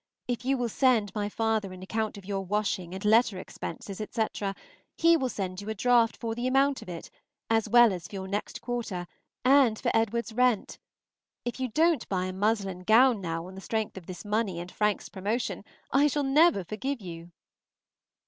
If you will send my father an account of your washing and letter expenses, etc., he will send you a draft for the amount of it, as well as for your next quarter, and for Edward's rent. If you don't buy a muslin gown now on the strength of this money and Frank's promotion, I shall never forgive you.